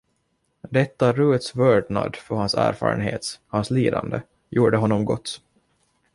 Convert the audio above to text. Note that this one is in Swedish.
Detta Ruts vördnad för hans erfarenhet, hans lidande, gjorde honom gott.